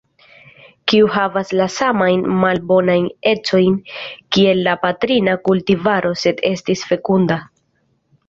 Kiu havas la samajn malbonajn ecojn kiel la patrina kultivaro, sed estis fekunda.